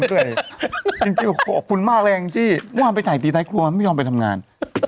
จริงจริงขอบคุณมากแหลงจิว่าไปถ่ายตีไทยครัวไม่ยอมไปทำงาน